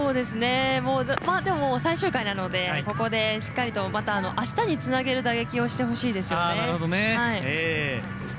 でも、もう最終回なのでここで、しっかりとまた、あしたにつなげる打撃をしてほしいですよね。